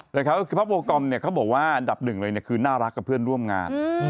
พรรกโบกอมบอกอันดับ๑คือน่ารักกับเพื่อนร่วมงาน